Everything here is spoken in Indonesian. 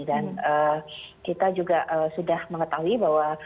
dan kita juga sudah mengetahui bahwa